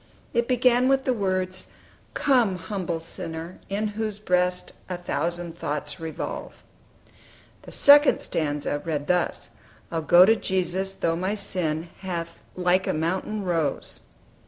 It began with the words "Come, humble sinner, in whose breast A thousand thoughts revolve." The second stanza read thus: "I'll go to Jesus, though my sin Hath like a mountain rose."